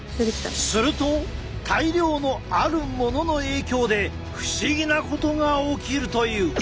すると大量のあるものの影響で不思議なことが起きるという。